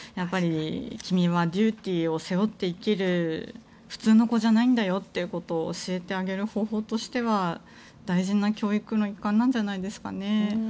君はデューティーを背負って生きる普通の子じゃないんだと教えてあげる方法としては大事な教育の一環じゃないですかね。